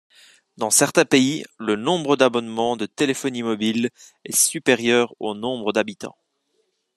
Dans certains pays le nombre d'abonnements de téléphonie mobile est supérieur au nombre d'habitants.